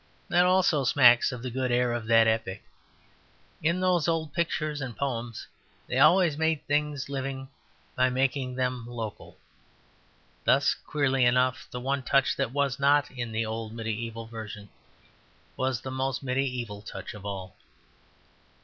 That also smacks of the good air of that epoch. In those old pictures and poems they always made things living by making them local. Thus, queerly enough, the one touch that was not in the old mediaeval version was the most mediaeval touch of all.